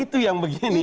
itu yang begini